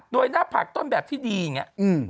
โดยหน้าผากต้นแบบที่ดีอย่างนี้